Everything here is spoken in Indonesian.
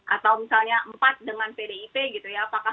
atau misalnya empat dengan pdip gitu ya